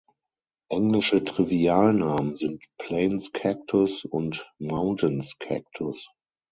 Englische Trivialnamen sind „Plains Cactus“ und „Mountains Cactus“.